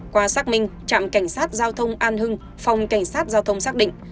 qua xác minh trạm cảnh sát giao thông an hưng phòng cảnh sát giao thông xác định